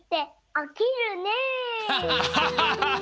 ハハハハ！